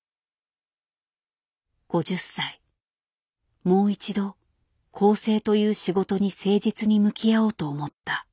５０歳もう一度校正という仕事に誠実に向き合おうと思った。